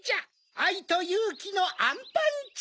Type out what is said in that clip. あいとゆうきのアンパンチ。